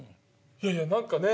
いやいや何かね